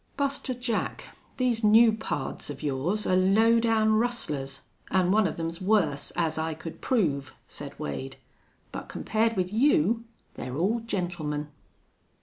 "Buster Jack, these new pards of yours are low down rustlers, an' one of them's worse, as I could prove," said Wade, "but compared with you they're all gentlemen."